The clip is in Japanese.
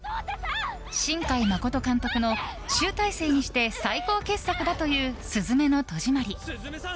新海誠監督の集大成にして最高傑作だという「すずめの戸締まり」。